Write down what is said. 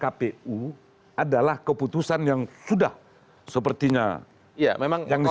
keputusan kpu adalah keputusan yang sudah sepertinya yang diserahkan di dalam undang undang